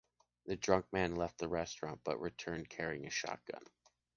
The drunk man left the restaurant but returned carrying a shotgun.